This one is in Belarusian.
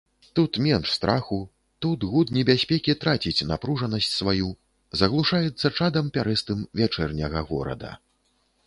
Тут менш страху, тут гуд небяспекі траціць напружанасць сваю, заглушаецца чадам пярэстым вячэрняга горада.